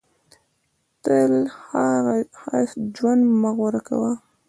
تل ښه ژوند مه غوره کوه.